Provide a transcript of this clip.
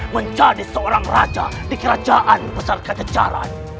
menjadi seorang raja di kerajaan besar kececaran